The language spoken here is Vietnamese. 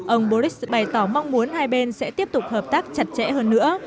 ông boris bày tỏ mong muốn hai bên sẽ tiếp tục hợp tác chặt chẽ hơn nữa